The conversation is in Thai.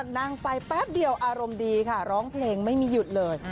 นั่งไปแป๊บเดียวอารมณ์ดีค่ะร้องเพลงไม่มีหยุดเลย